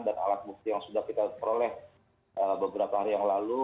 dan alat bukti yang sudah kita peroleh beberapa hari yang lalu